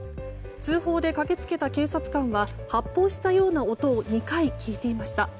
通報で駆け付けた警察官は発砲したような音を２回、聞いていました。